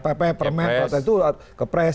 pp permen kalau itu ke pres